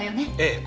ええ。